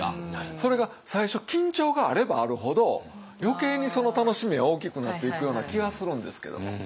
それが最初緊張があればあるほど余計にその楽しみが大きくなっていくような気がするんですけども。